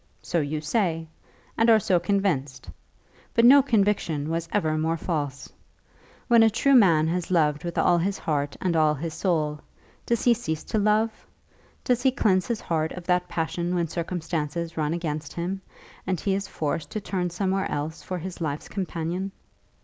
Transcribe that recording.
So you say, and are so convinced; but no conviction was ever more false. When a true man has loved with all his heart and all his soul, does he cease to love, does he cleanse his heart of that passion when circumstances run against him, and he is forced to turn elsewhere for his life's companion?